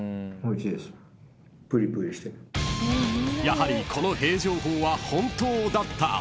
［やはりこのへぇー情報は本当だった］